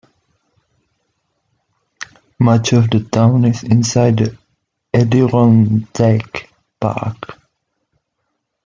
Much of the town is inside the Adirondack Park.